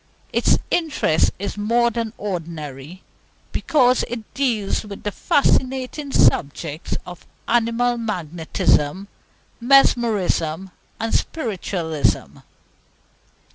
Its interest is more than ordinary, because it deals with the fascinating subjects of Animal Magnetism, Mesmerism, and Spiritualism.